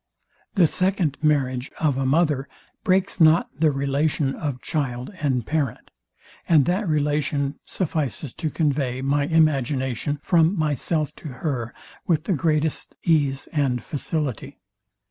The second marriage of a mother breaks not the relation of child and parent; and that relation suffices to convey my imagination from myself to her with the greatest ease and facility.